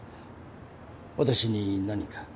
私に何か？